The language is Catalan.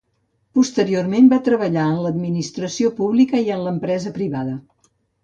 Posteriorment va treballar en l'administració pública i en l'empresa privada.